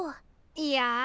いや。